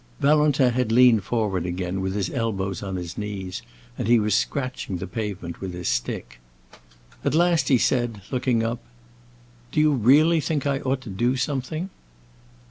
Valentin had leaned forward again, with his elbows on his knees, and he was scratching the pavement with his stick. At last he said, looking up, "Do you really think I ought to do something?"